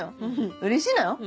うれしいのよ